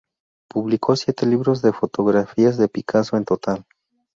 Publicó siete libros de fotografías de Picasso en total.